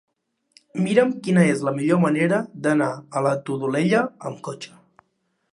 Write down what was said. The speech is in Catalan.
Mira'm quina és la millor manera d'anar a la Todolella amb cotxe.